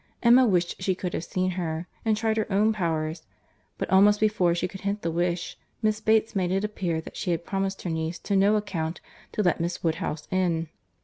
—Emma wished she could have seen her, and tried her own powers; but, almost before she could hint the wish, Miss Bates made it appear that she had promised her niece on no account to let Miss Woodhouse in.